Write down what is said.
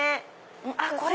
あっこれ！